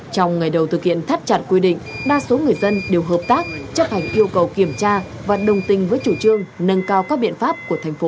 trong ngày đầu thực hiện thắt chặt quy định đa số người dân đều hợp tác chấp hành yêu cầu kiểm tra và đồng tình với chủ trương nâng cao các biện pháp của thành phố